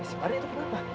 isi pari itu kenapa